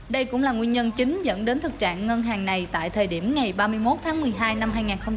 đây cũng là nguyên nhân chính dẫn đến thực trạng ngân hàng này tại thời điểm ngày ba mươi một tháng một mươi hai năm hai nghìn hai mươi ba